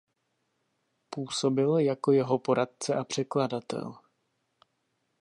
Působil jako jeho poradce a překladatel.